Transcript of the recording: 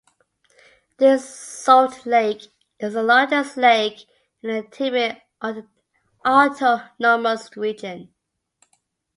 This salt lake is the largest lake in the Tibet Autonomous Region.